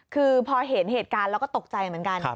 คือพอเห็นเหตุการณ์แล้วก็ตกใจเหมือนกัน